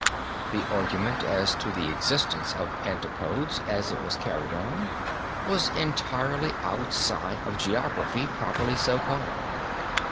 The argument as to the existence of antipodes, as it was carried on, was entirely outside of geography properly so called.